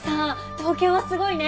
東京はすごいね。